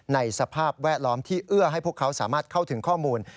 สภาพแวดล้อมที่เอื้อให้พวกเขาสามารถเข้าถึงข้อมูล